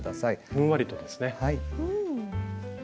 ふんわりとですね。